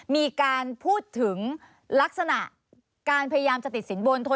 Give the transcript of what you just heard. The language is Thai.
มีการพูดถึงลักษณะการพยายามจะติดสินบน